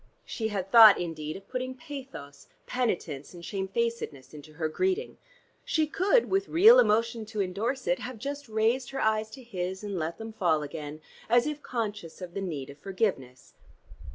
She had thought indeed of putting pathos, penitence, and shamefacedness into her greeting: she could with real emotion to endorse it have just raised her eyes to his and let them fall again, as if conscious of the need of forgiveness.